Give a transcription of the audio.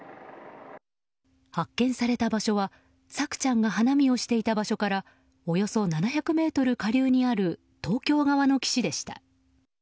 発見された場所は朔ちゃんが花見をしていた場所からおよそ７００ｍ下流にある東京側の岸でした。